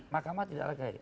makamah tidak lagi